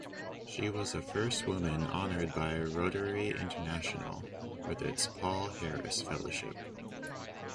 She was the first woman honored by Rotary International with its Paul Harris Fellowship.